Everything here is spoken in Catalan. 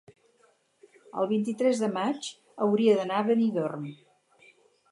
El vint-i-tres de maig hauria d'anar a Benidorm.